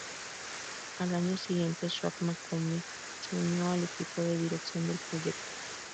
Al año siguiente, Shaun McCormick se unió al equipo de dirección del proyecto.